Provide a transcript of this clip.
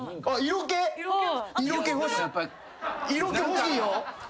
色気欲しいよ！